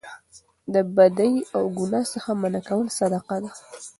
د بدۍ او ګناه څخه منع کول صدقه ده